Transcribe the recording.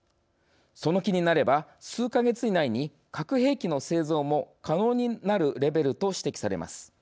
その気になれば数か月以内に核兵器の製造も可能になるレベルと指摘されます。